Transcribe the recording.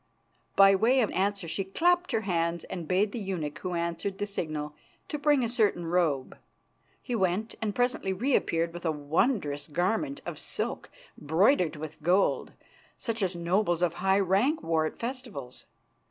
By way of answer she clapped her hands and bade the eunuch who answered the signal to bring a certain robe. He went, and presently reappeared with a wondrous garment of silk broidered with gold, such as nobles of high rank wore at festivals.